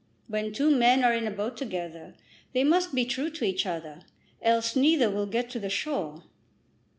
When two men are in a boat together they must be true to each other, else neither will get to the shore."